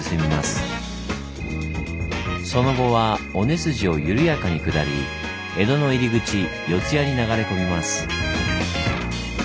その後は尾根筋を緩やかに下り江戸の入り口四ツ谷に流れ込みます。